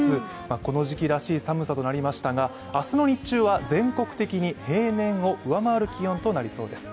この時期らしい寒さとなりましたが明日の日中は全国的に平年を上回る気温となりそうです。